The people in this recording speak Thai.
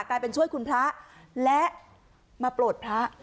กลายเป็นช่วยคุณพระและมาโปรดพระ